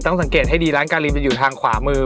ต้องสังเกตให้ดีร้านกาลินจะอยู่ทางขวามือ